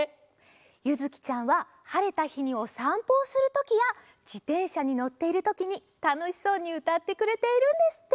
ゆずきちゃんははれたひにおさんぽをするときやじてんしゃにのっているときにたのしそうにうたってくれているんですって。